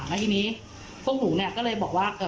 แล้วทีนี้พวกหนูเนี่ยก็เลยบอกว่า